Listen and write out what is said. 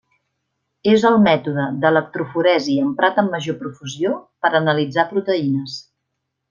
És el mètode d'electroforesi emprat amb major profusió per analitzar proteïnes.